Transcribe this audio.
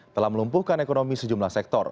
telah melumpuhkan ekonomi sejumlah sektor